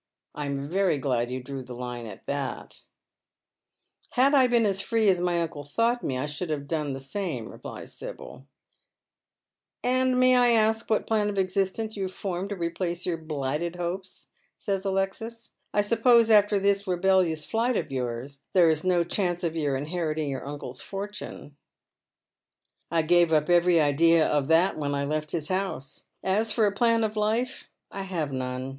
I am veiy glad you drew the line at that." " Had I been as free as my uncle thought me I should bar* done the same," replies Sibyl. " ti is not now as it has teen of yore. 323 "And may I a^k what plan oi: existc3nce you liave foniie;^ to leplace your blighted hopes?" says Alexis. "I suppose afte* this rebellious flight of yours there is no chance of your inherit ing your uncle's fortune." " I gave up every idea of that when I left his house. As fot a plan of life, I have none.